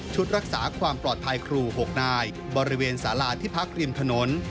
รักษาความปลอดภัยครู๖นายบริเวณสาราที่พักริมถนน